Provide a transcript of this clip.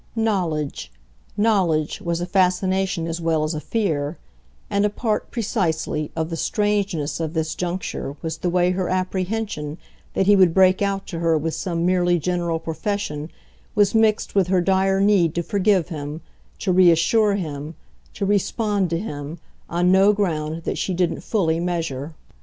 Knowledge, knowledge, was a fascination as well as a fear; and a part, precisely, of the strangeness of this juncture was the way her apprehension that he would break out to her with some merely general profession was mixed with her dire need to forgive him, to reassure him, to respond to him, on no ground that she didn't fully measure.